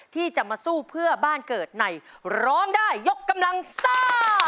ที่จะมาสู้เพื่อบ้านเกิดในร้องได้ยกกำลังซ่า